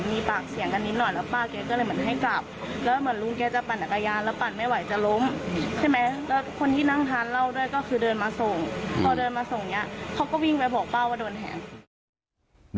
พี่สภัยลงมาดูว่าเกิดอะไรขึ้น